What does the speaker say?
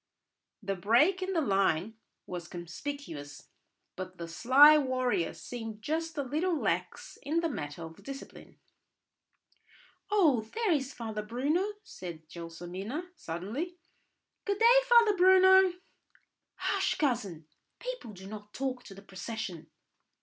The break in the line was conspicuous; but the sly warrior seemed just a little lax in the matter of discipline. "Oh, there is Father Bruno!" said Gelsomina suddenly. "Good day, Father Bruno." "Hush, cousin! People do not talk to the procession."